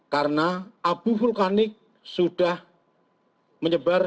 karena abu vulkanik sudah menyebar